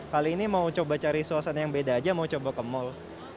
kali ini mau coba cari suasana yang beda aja mau coba ke mall